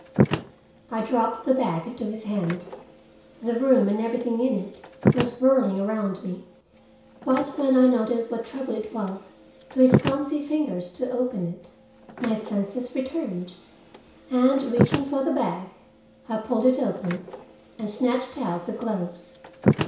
I dropped the bag into his hand. The room and everything in it was whirling around me. But when I noted what trouble it was to his clumsy fingers to open it, my senses returned and, reaching for the bag, I pulled it open and snatched out the gloves.